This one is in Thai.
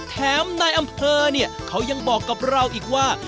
แถมนายอำเภอเนี่ยเขายังบอกกับเราอีกว่า